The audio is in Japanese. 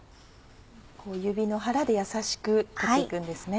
指の腹で優しく取って行くんですね。